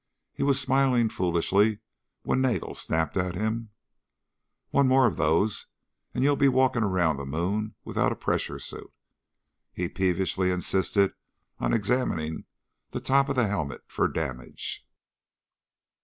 He was smiling foolishly when Nagel snapped at him: "One more of those and you'll be walking around the moon without a pressure suit." He peevishly insisted on examining the top of the helmet for damage.